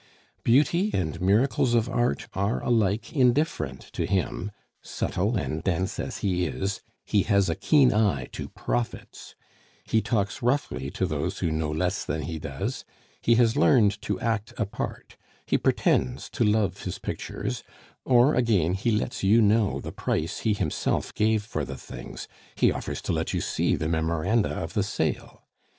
Beauty and miracles of art are alike indifferent to him; subtle and dense as he is, he has a keen eye to profits, he talks roughly to those who know less than he does; he has learned to act a part, he pretends to love his pictures, or again he lets you know the price he himself gave for the things, he offers to let you see the memoranda of the sale.